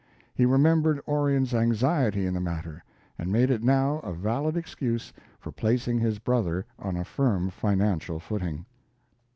He remembered Orion's anxiety in the matter, and made it now a valid excuse for placing his brother on a firm financial footing.